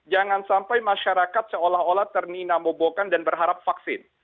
jangan sampai masyarakat seolah olah terninamobokan dan berharap vaksin